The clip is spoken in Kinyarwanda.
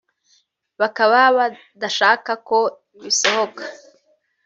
bakaba badashaka ko bisohoka